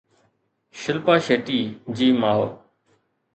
شلپا شيٽي جي ماءُ